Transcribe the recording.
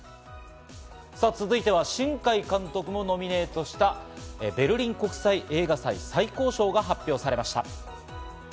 続いては新海監督もノミネートしたベルリン国際映画祭、最高賞が発表されました。